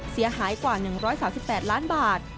เสียหายกว่า๑๓๘ล้านบาท